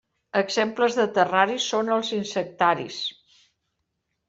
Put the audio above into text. Exemples de terraris són els insectaris.